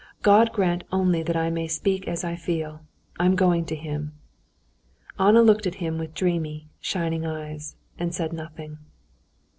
God grant only that I may speak as I feel. I'm going to him." Anna looked at him with dreamy, shining eyes, and said nothing.